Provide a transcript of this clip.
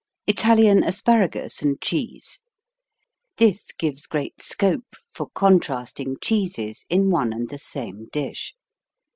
Italian Asparagus and Cheese This gives great scope for contrasting cheeses in one and the same dish.